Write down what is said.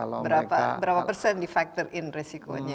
berapa persen di factor in resikonya